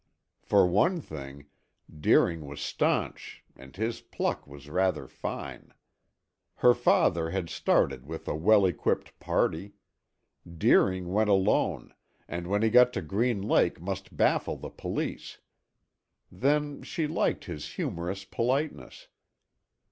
For one thing, Deering was stanch, and his pluck was rather fine. Her father had started with a well equipped party; Deering went alone, and when he got to Green Lake must baffle the police. Then she liked his humorous politeness.